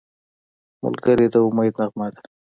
ملګری د امید نغمه ده